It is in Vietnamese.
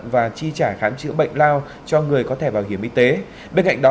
và chi trả khám chữa bệnh lao cho người có thẻ bảo hiểm y tế bên cạnh đó